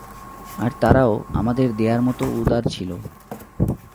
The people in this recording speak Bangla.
আর তারাও আমাদের দেয়ার মতো উদার ছিল।